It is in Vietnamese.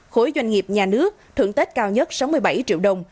khối doanh nghiệp nhà nước thưởng tết cao nhất sáu mươi bảy triệu đồng